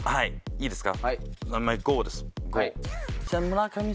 いいですか？